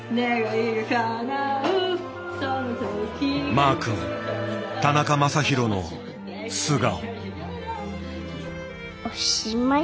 マー君田中将大の素顔。